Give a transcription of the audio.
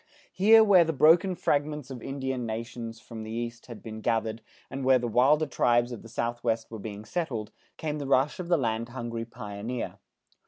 Here where the broken fragments of Indian nations from the East had been gathered and where the wilder tribes of the Southwest were being settled, came the rush of the land hungry pioneer.